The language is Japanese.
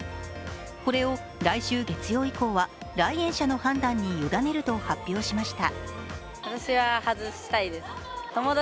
これを来週月曜以降は、来園者の判断にゆだねると発表しました。